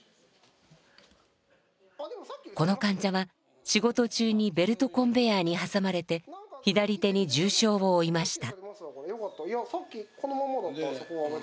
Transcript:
この患者は仕事中にベルトコンベヤーに挟まれて左手に重傷を負いました。